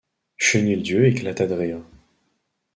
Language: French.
Chenildieu éclata de rire.